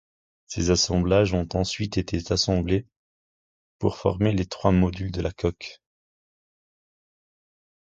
Ces assemblages ont ensuite été assemblés pour former les trois modules de la coque.